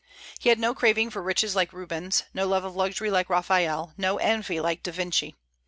He had no craving for riches like Rubens, no love of luxury like Raphael, no envy like Da Vinci.